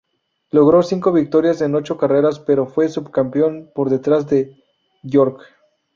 Logró cinco victorias en ocho carreras, pero fue subcampeón por detrás de Björk.